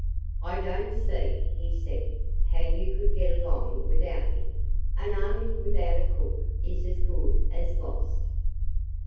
"I don't see," he said, "how you could get along without me. An army without a cook is as good as lost."